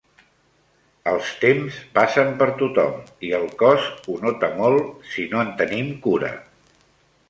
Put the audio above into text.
Els temps passen per tothom i el cos ho nota molt si no en tenim cura.